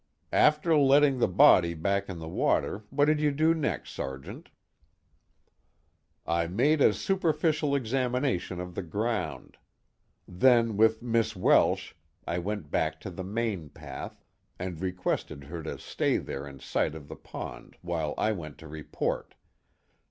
"After letting the body back in the water, what did you do next, Sergeant?" "I made a superficial examination of the ground. Then with Miss Welsh I went back to the main path, and requested her to stay there in sight of the pond while I went to report.